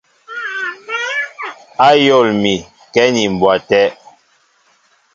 Ayól mi kɛ ni mbwa té.